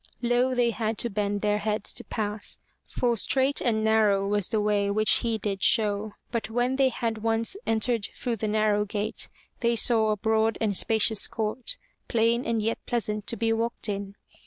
Low they had to bend their heads to pass, for straight and narrow was the way which he did show, but when they had once entered through the narrow gate, they saw a broad and spacious court, plain and yet pleasant to be walked in.